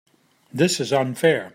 This is unfair.